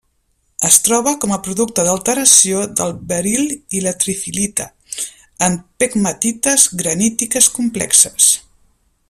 Es troba com a producte d'alteració del beril i la trifilita, en pegmatites granítiques complexes.